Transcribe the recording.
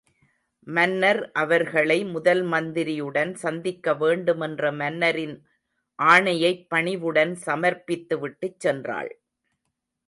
மன்னர் அவர்களை, முதல்மந்திரி உடன் சந்திக்க வேண்டுமென்ற மன்னரின் ஆணையைப் பணிவுடன் சமர்ப்பித்துவிட்டுச் சென்றாள்!